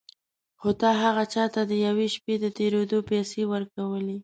هو تا هغه چا ته د یوې شپې د تېرېدو پيسې ورکولې.